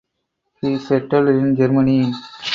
He settled in Germany.